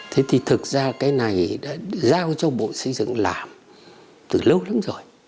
thế thì thực ra cái này đã giao cho bộ xây dựng làm từ lâu lắm rồi